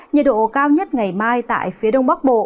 nhiệt độ cao nhất ngày mai tại phía đông bắc bộ